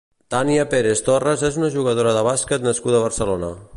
Tania Pérez Torres és una jugadora de bàsquet nascuda a Barcelona.